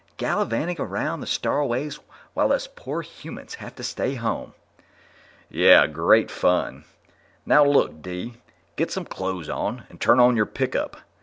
Gallivanting around the starways while us poor humans have to stay home." "Yeah, great fun. Now look, Dee, get some clothes on and turn on your pickup.